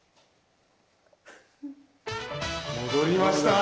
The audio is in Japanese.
戻りました！